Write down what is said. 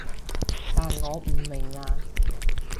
但我唔明啊